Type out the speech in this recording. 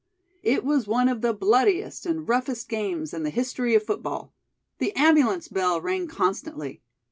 It was one of the bloodiest and roughest games in the history of football. The ambulance bell rang constantly.